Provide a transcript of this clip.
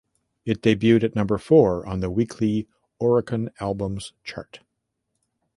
It debuted at number four on the weekly Oricon Albums Chart.